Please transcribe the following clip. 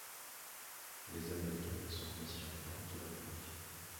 Les Américains y sont vice-champions olympiques.